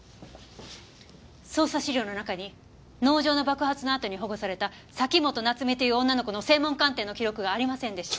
捜査資料の中に農場の爆発のあとに保護された崎本菜津美という女の子の声紋鑑定の記録がありませんでした。